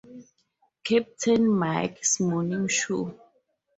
Captain Mike's morning show.